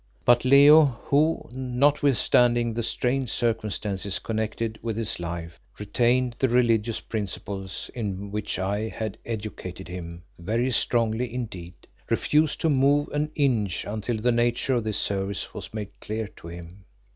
But Leo, who, notwithstanding the strange circumstances connected with his life, retained the religious principles in which I had educated him, very strongly indeed, refused to move an inch until the nature of this service was made clear to him.